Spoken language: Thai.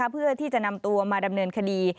เพื่อที่จะนำตัวมาดำเนินคดี